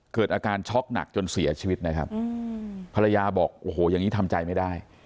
เกิดอาการช็อกหนักจนเสียชีวิตนะครับภรรยาบอกโอ้โหอย่างนี้ทำใจไม่ได้